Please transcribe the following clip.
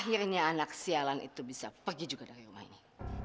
akhirnya anak sialan itu bisa pergi juga dari rumah ini